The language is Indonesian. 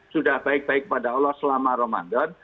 sudah baik baik pada allah selama ramadan